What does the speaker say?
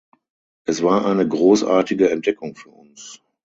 Es war eine großartige Entdeckung für uns.